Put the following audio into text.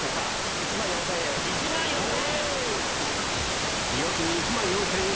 １万４０００円。